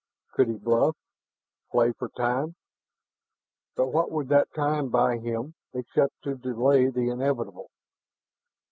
Could he bluff play for time? But what would that time buy him except to delay the inevitable?